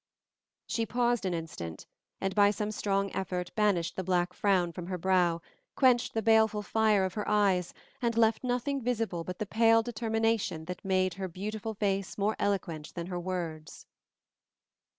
She paused an instant, and by some strong effort banished the black frown from her brow, quenched the baleful fire of her eyes, and left nothing visible but the pale determination that made her beautiful face more eloquent than her words.